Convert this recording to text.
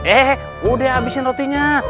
eh udah abisin rotinya